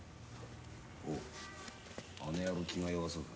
おうあの野郎気が弱そうだ。